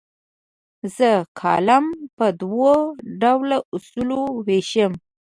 زه کالم په دوه ډوله اصولو ویشم.